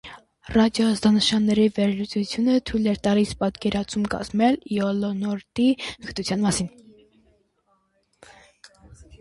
Ռադիոազդանշանների վերլուծությունը թույլ էր տալիս պատկերացում կազմել իոնոլորտի խտության մասին։